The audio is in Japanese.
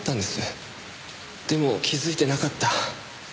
でも気づいてなかった。